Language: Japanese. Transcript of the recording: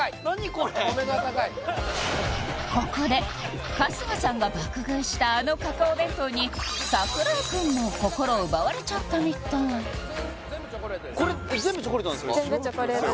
これここで春日さんが爆食いしたあのカカオ弁当に櫻井くんも心奪われちゃったみたい全部チョコレートです